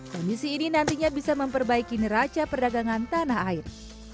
kondisi ini nantinya bisa memperbaiki neraca perdagangan tanah air